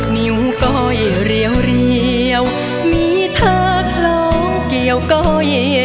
มิวก้อยเรียวมีทักร้องเกี่ยวก้อยเรียว